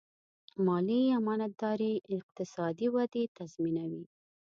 مالي امانتداري اقتصادي ودې تضمینوي.